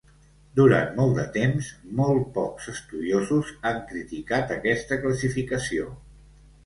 Durant molt de temps, molt pocs estudiosos han criticat aquesta classificació.